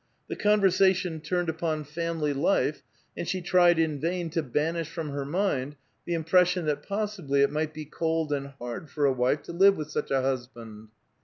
The conversation turned npon' fam ily life, and she tried in vain to banish from her mind the impression that possibly it might be cold and hard for a wife to live with such a husband.